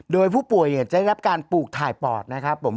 โดยผู้ป่วยจะได้รับการปลูกถ่ายปอดนะครับผม